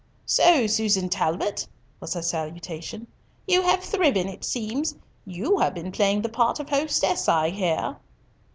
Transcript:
"So, Susan Talbot," was her salutation, "you have thriven, it seems. You have been playing the part of hostess, I hear."